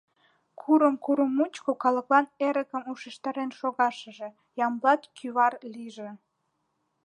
Курым-курым мучко калыклан эрыкым ушештарен шогашыже Ямблат кӱвар лийже!..